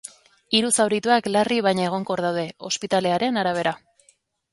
Hiru zaurituak larri baina egonkor daude, ospitalearen arabera.